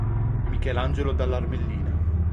Michelangelo Dall'Armellina